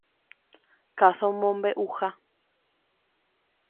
Káso mombeʼuha.